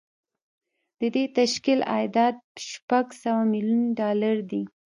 د دې تشکیل عایدات شپږ سوه میلیونه ډالر دي